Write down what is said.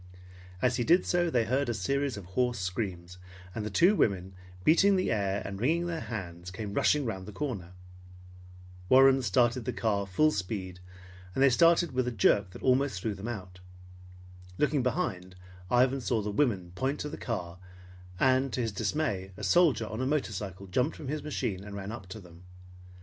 As he did so, they heard a series of hoarse screams, and the two women, beating the air and wringing their hands, came rushing around the corner. Warren started the car full speed, and they started with a jerk that almost threw them out. Looking behind, Ivan saw the women point to the car and to his dismay a soldier on a motorcycle jumped from his machine and ran up to them.